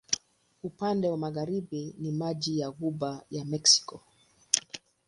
Upande wa magharibi ni maji wa Ghuba ya Meksiko.